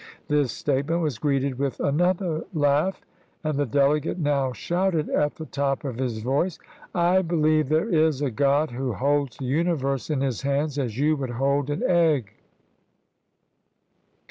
This statement was greeted with another laugh, and the delegate now shouted at the top of his voice, " I believe there is a God who holds the universe in his hand as you would hold an egg."